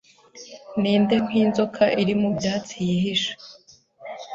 Ninde nkinzoka iri mubyatsi yihishe